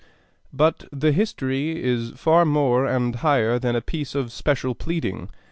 But the 'History' is far more and higher than a piece of special pleading.